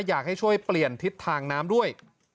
อยากให้ช่วยเปลี่ยนทิศทางน้ำด้วย